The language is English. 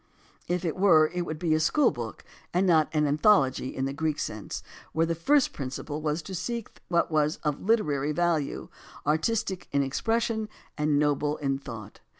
If it were it would be a school book and not an anthology in the Greek sense, where the first principle was to seek what was of literary value, artistic in expression, and noble in thought.